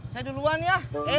saya duluan ya